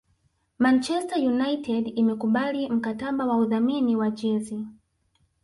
Manchester United imekubali mkataba wa udhamini wa jezi